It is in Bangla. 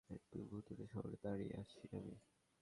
এবার আতঙ্কের সঙ্গে লক্ষ্য করলাম একটা ভুতুড়ে শহরে দাঁড়িয়ে আছি আমি।